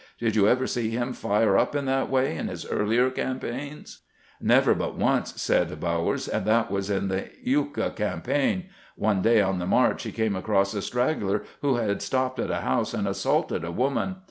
Did you ever see him fire up in that way in his earlier campaigns ?"" Never but once," said Bow ers :" and that was in the luka campaign. One day on the march he came across a straggler who had stopped at a house and assaulted a woman.